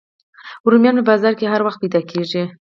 رومیان په بازار کې هر وخت پیدا کېږي